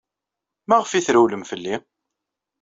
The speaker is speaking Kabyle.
Maɣef ay terwlem fell-i?